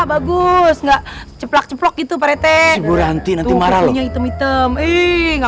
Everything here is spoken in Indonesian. kata bagus enggak ceplak ceplok itu parete buranti nanti marah hitam hitam ingat